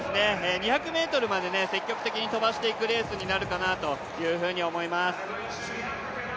２００ｍまで積極的に飛ばしていくレースになるかなと思います。